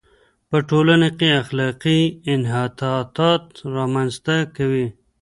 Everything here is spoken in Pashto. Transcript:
په ټولنه کې اخلاقي انحطاط را منځ ته کوي.